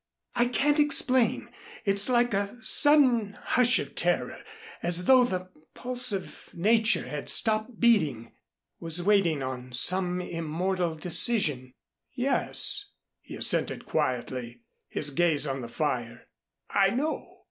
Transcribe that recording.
I can't explain. It's like a sudden hush of terror as though the pulse of Nature had stopped beating was waiting on some immortal decision." "Yes," he assented quietly, his gaze on the fire. "I know.